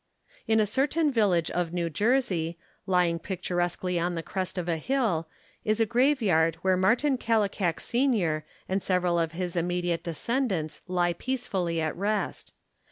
In a certain village of New Jersey, lying picturesquely on the crest of a hill, is a graveyard where Martin Kal likak Sr. and several of his immediate descendants lie peacefully at rest.